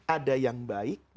ada yang baik